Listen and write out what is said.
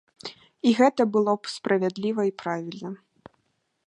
І гэта было б справядліва і правільна.